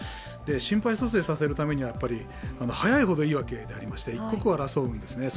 心肺蘇生させるためには早い方がいいわけで、一刻を争うんですね。